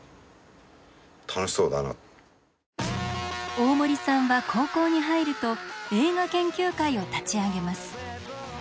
大森さんは高校に入ると映画研究会を立ち上げます。